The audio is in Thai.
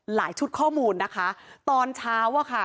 ชุดข้อมูลนะคะตอนเช้าอะค่ะ